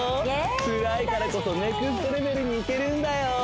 つらいからこそネクストレベルに行けるんだよ！